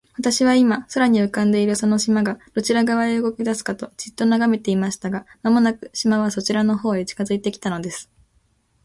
私は、今、空に浮んでいるその島が、どちら側へ動きだすかと、じっと眺めていました。が、間もなく、島はこちらの方へ近づいて来たのです。